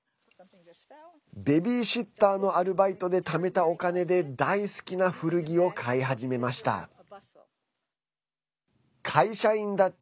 ベビーシッターのアルバイトでためたお金で大好きな古着を買い始めました。